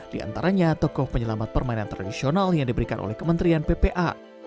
di antaranya tokoh penyelamat permainan tradisional yang diberikan oleh kementerian ppa